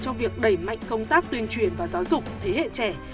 trong việc đẩy mạnh công tác tuyên truyền và giáo dục thế hệ trẻ